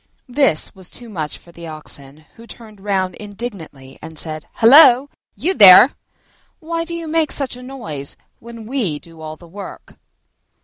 This was too much for the Oxen, who turned round indignantly and said, "Hullo, you there! Why do you make such a noise when we do all the work?"